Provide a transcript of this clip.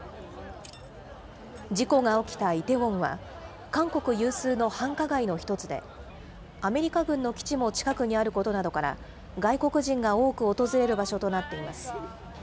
事故が起きたイテウォンは、韓国有数の繁華街の１つで、アメリカ軍の基地も近くにあることなどから、外国人が多く訪れる場所となっています。